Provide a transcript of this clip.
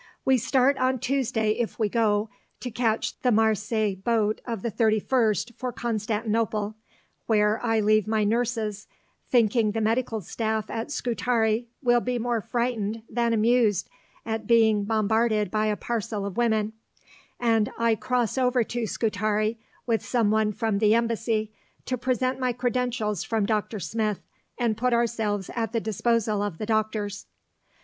We start on Tuesday if we go, to catch the Marseilles boat of the 21st for Constantinople, where I leave my nurses, thinking the Medical Staff at Scutari will be more frightened than amused at being bombarded by a parcel of women, and I cross over to Scutari with some one from the Embassy to present my credentials from Dr. Smith, and put ourselves at the disposal of the Drs.